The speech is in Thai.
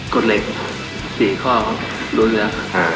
กดเล็ก๔ข้อเขารู้แล้ว